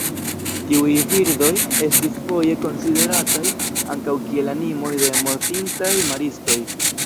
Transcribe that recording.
Tiuj birdoj estis foje konsiderataj ankaŭ kiel animoj de mortintaj maristoj.